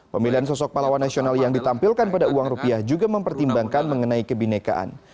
pemilihan sosok pahlawan nasional yang ditampilkan pada uang rupiah juga mempertimbangkan mengenai kebinekaan